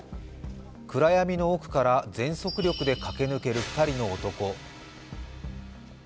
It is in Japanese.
暗闇の奥から全速力で駆け抜ける２人の男。